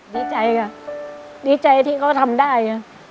ดีใจค่ะดีใจที่เขาทำได้